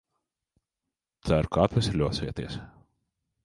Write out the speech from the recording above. Ceru, ka atveseļosieties.